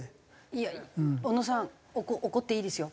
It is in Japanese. いや小野さん怒っていいですよ。